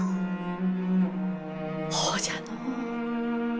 ほうじゃのう。